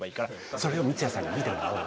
それを三津谷さんに見てもらおう。